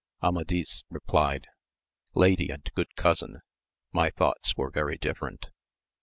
Amadis replied, Lady and good cousin, my thoughts were very different.